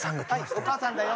はいお母さんだよ。